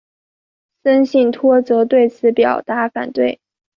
森信托则对此表达反对。